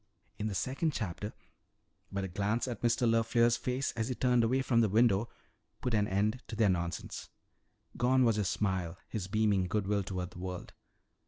In the second chapter " But a glance at Mr. LeFleur's face as he turned away from the window put an end to their nonsense. Gone was his smile, his beaming good will toward the world.